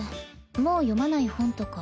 もう読まない本とか。